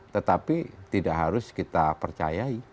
tetapi tidak harus kita percayai